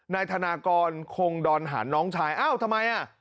นายธนากรคงดอนหันน้องชายอ้าวทำไมอ่ะ